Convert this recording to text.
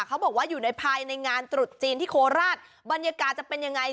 เขาบอกว่าอยู่ในภายในงานตรุษจีนที่โคราชบรรยากาศจะเป็นยังไง